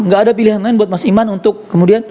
gak ada pilihan lain buat mas iman untuk kemudian